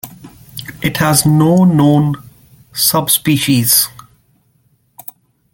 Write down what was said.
It has no known subspecies.